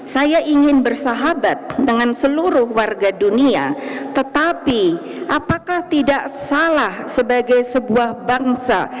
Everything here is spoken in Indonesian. saya ingin bersahabat dengan seluruh warga dunia tetapi apakah tidak salah sebagai sebuah bangsa